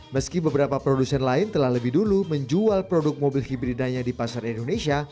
meski beberapa produsen lain telah lebih dulu menjual produk mobil hibridanya di pasar indonesia